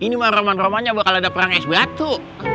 ini mah roman romannya bakal ada perang es batu